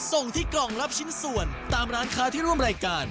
ส่งที่กล่องรับชิ้นส่วนตามร้านค้าที่ร่วมรายการ